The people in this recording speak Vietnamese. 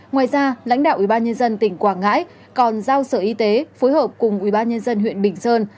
ngoài ra lãnh đạo ubnd tỉnh quảng ngãi còn giao sở y tế phối hợp cùng ubnd huyện bình sơn